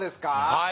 はい。